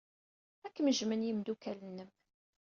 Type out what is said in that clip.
Ad kem-jjmen yimeddukal-nnem.